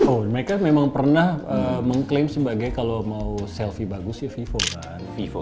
oh mereka memang pernah mengklaim sebagai kalau mau selfie bagus sih vivo kan vivo